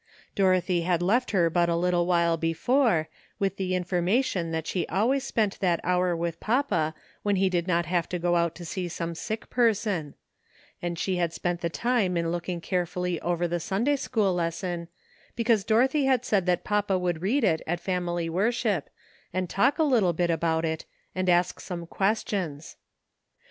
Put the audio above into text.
Dorothy had left her but a little while before, with the information that she always spent that hour with papa when he did not have to go out to see some sick per son; and she had spent the time in looking* carefully over the Sunday school lesson, be cause Dorothy had said that papa would read it at family worship and talk a little bit about it, and ask some questions.